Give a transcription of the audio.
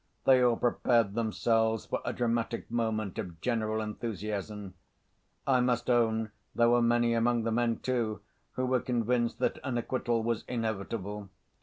They all prepared themselves for a dramatic moment of general enthusiasm. I must own there were many among the men, too, who were convinced that an acquittal was inevitable.